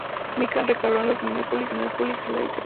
Mikan recaló en los Minneapolis Lakers.